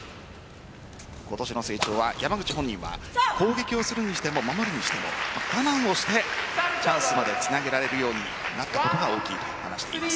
今年の成長は山口本人は攻撃をするにしても守るにしても我慢をしてチャンスまでつなげられるようになったことが大きいと話しています。